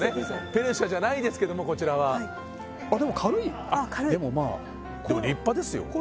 ペルシャじゃないですけどもこちらはあっでも軽いあっでもまあでも立派ですよ